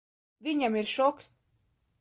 Viņam ir šoks.